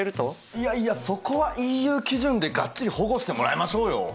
いやいやそこはＥＵ基準でがっちり保護してもらいましょうよ。